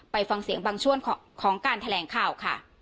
ไปฟังเสียงบางช่วงของการแถลงข่าวค่ะ